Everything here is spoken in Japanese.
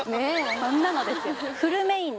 そんなのですよ